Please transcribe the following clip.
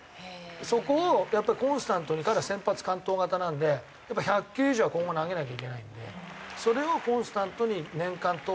そこをコンスタントに彼は先発完投型なんでやっぱり１００球以上は今後投げなきゃいけないのでそれをコンスタントに年間通して。